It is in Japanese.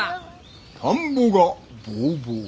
田んぼがボウボウ。